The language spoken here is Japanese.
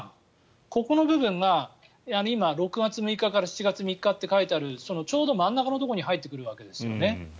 ここの部分が今、６月６日から７月３日と書いてあるちょうど真ん中のところに入ってくるんですね。